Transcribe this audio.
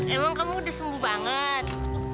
emang kamu udah sembuh banget